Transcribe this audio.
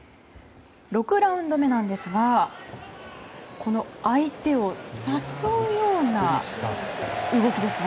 ６ラウンド目なんですが相手を誘うような動きですね。